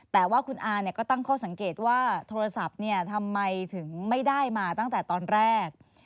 แต่ว่าคุณอาก็ตั้งข้อสังเกตว่าโทรศัพท์ทำไมถึงไม่ได้มาตั้งแต่ตอนแรก